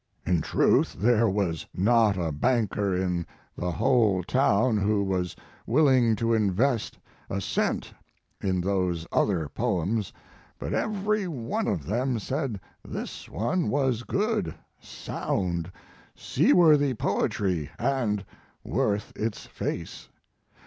In truth there was not a banker in the whole town who was will ing to invest a cent in those other poems, but every one of them said this one was good, sound, seaworthy poetry, and worth its face.